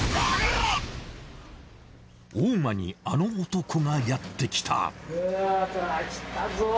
大間にあの男がやってきた。